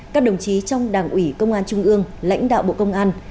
các đồng chí trong đảng ủy công an trung ương lãnh đạo bộ công an